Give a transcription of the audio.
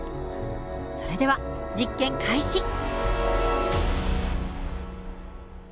それでは実験開始。